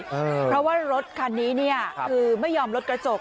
เพราะว่ารถคันนี้เนี่ยคือไม่ยอมรถกระจก